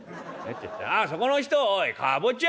ああそこの人おいかぼちゃ！」。